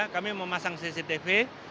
kami memasang cctv